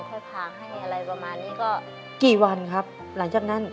ค่อยพาให้อะไรประมาณนี้ก็กี่วันครับหลังจากนั้น